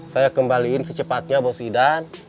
saya kembaliin secepatnya bos idan